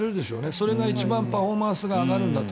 それが一番パフォーマンスが上がるんだと。